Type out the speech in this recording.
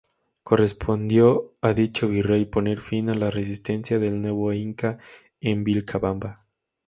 Correspondió a dicho virrey poner fin a la resistencia del nuevo inca en Vilcabamba.